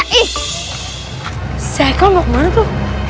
si heiko mau kemana tuh